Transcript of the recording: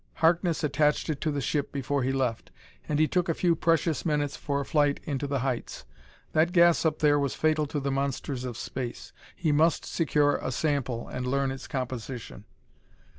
Harkness attached it to the ship before he left, and he took a few precious minutes for a flight into the heights. That gas up there was fatal to the monsters of space: he must secure a sample and learn its composition.